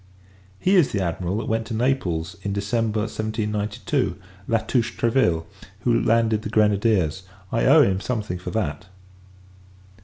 He is the Admiral that went to Naples in December 1792, La Touche Treville, who landed the grenadiers. I owe him something for that.